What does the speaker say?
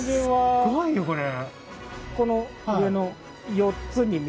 すっごいよこれ。